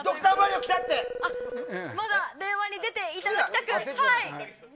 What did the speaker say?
まだ電話に出ていただきたく。